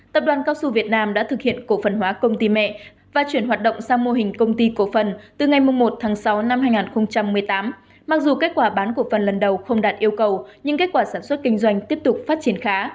tập đoàn cao su việt nam đã thực hiện cổ phần hóa công ty mẹ và chuyển hoạt động sang mô hình công ty cổ phần từ ngày một tháng sáu năm hai nghìn một mươi tám mặc dù kết quả bán cổ phần lần đầu không đạt yêu cầu nhưng kết quả sản xuất kinh doanh tiếp tục phát triển khá